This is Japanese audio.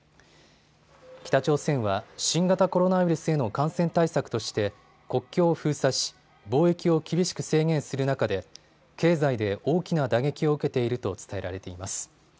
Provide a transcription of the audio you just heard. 北朝鮮は新型コロナウイルスへの感染対策として国境を封鎖し、貿易を厳しく制限する中で経済で大きな打撃を受けていると伝えられています。